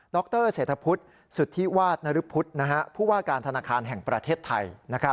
รเศรษฐพุทธสุธิวาสนรพุทธผู้ว่าการธนาคารแห่งประเทศไทย